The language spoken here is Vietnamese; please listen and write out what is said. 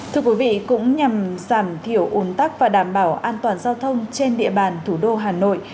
thưa quý vị cũng nhằm giảm thiểu ủn tắc và đảm bảo an toàn giao thông trên địa bàn thủ đô hà nội